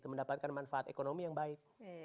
mendapatkan manfaat ekonomi yang baik